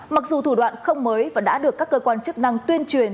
mặc dù thủ đoạn không mới và đã được các cơ quan chức năng tuyên truyền